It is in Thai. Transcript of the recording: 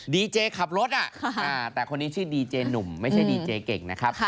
ดีเจขับรถแต่คนนี้ชื่อดีเจหนุ่มไม่ใช่ดีเจเก่งนะครับ